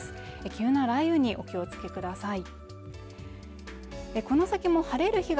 急な雷雨にお気をつけください。